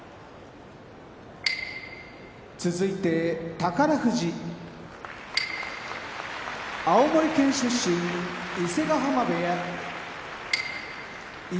宝富士青森県出身伊勢ヶ濱部屋一